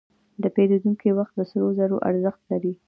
د پیرودونکي وخت د سرو زرو ارزښت لري.